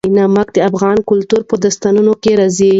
نمک د افغان کلتور په داستانونو کې راځي.